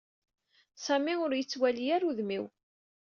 Sami ur yettwali ara udem-iw.